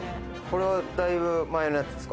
これはだいぶ前のやつですか？